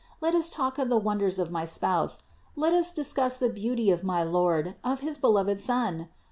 Let us talk of the wonders of my Spouse; let us discuss the beauty of my Lord, of my beloved Son!